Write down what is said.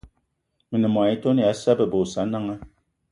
Me ne mô-etone ya Sa'a bebe y Osananga